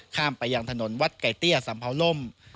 ข้ามไปยังถนนวัดไก้เตี้ยสำเภาลม